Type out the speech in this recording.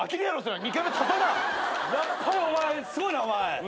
やっぱりお前すごいな。